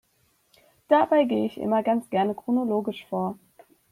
Dabei gehe ich immer ganz gerne chronologisch vor.